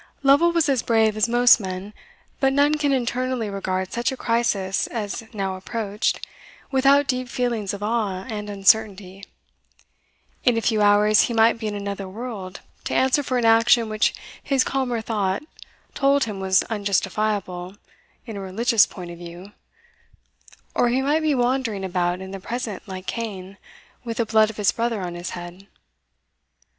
Lovel was as brave as most men; but none can internally regard such a crisis as now approached, without deep feelings of awe and uncertainty. In a few hours he might be in another world to answer for an action which his calmer thought told him was unjustifiable in a religious point of view, or he might be wandering about in the present like Cain, with the blood of his brother on his head.